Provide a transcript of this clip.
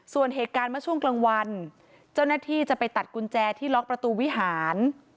ส่วนเหตุการณ์เมื่อช่วงกลางวันเจ้าหน้าที่จะไปตัดกุญแจที่ล็อกประตูวิหาร